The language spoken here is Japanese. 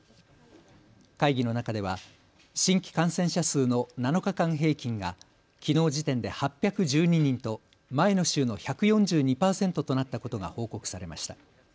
会議の中では新規感染者数の７日間平均がきのう時点で８１２人と前の週の１４２％となったことが報告されました。